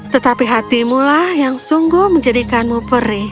tetapi hatimulah yang sungguh menjadikan aku merasa takut